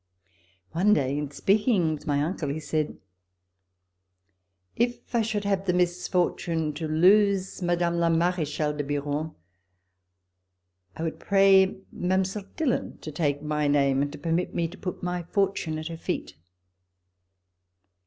One day in speaking with my uncle, he said: "If I should have the misfortune to lose Mme. la Marechale de Biron, I would pray Mile. Dillon to MATRIMONIAL PROJECTS take my name and to permit me to put my fortune at her feet."